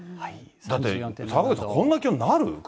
だって澤口さん、こんな気温になる？